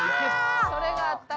それがあったか。